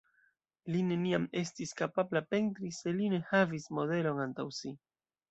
Li neniam estis kapabla pentri se li ne havis modelon antaŭ si.